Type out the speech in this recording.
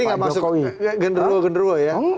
ini gak masuk gendero gendero ya